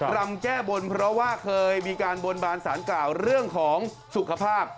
รำแก้บนเพราะว่าเคยมีการบนบานสารกล่าวเรื่องของสุขภาพ